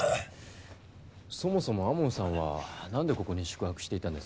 そもそも天羽さんはなんでここに宿泊していたんですか？